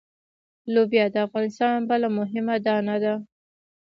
لوبیا د افغانستان بله مهمه دانه ده.